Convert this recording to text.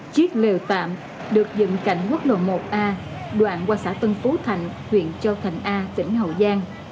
chiếc lều tạm được dựng cạnh quốc lộ một a đoạn qua xã tân phú thành huyện châu thành a tỉnh hậu giang